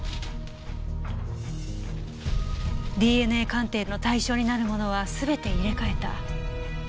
ＤＮＡ鑑定の対象になるものはすべて入れ替えた。